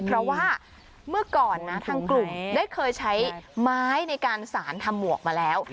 เพราะว่าเมื่อก่อนนะทางกลุ่มได้เคยใช้ไม้ในการสารทำหมวกมาแล้ว